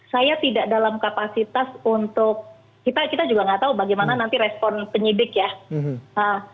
saya tidak dalam kapasitas untuk kita juga nggak tahu bagaimana nanti respon penyidik ya